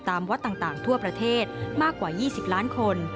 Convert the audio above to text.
วัดต่างทั่วประเทศมากกว่า๒๐ล้านคน